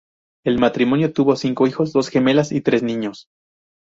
El matrimonio tuvo cinco hijos, dos gemelas y tres niños.